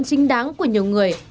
chính đáng của nhiều người